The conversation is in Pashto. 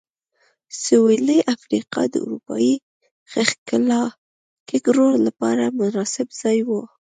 سوېلي افریقا د اروپايي ښکېلاکګرو لپاره مناسب ځای و.